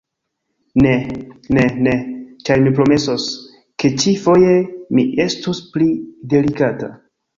Ne, ne, ne, ĉar mi promesos, ke ĉi-foje mi estus pli delikata